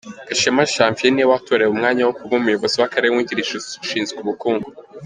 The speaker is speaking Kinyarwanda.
Gashema Janvier ni we watorewe umwanya wo kuba Umuyobozi w’Akarere wungirije ushinzwe ubukungu.